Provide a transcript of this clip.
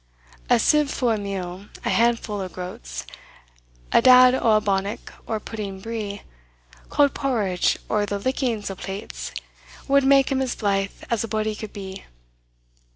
A sieve fu' o' meal, a handfu' o' groats, A dad o' a bannock, or pudding bree, Cauld porridge, or the lickings o' plates, Wad make him as blythe as a body could be.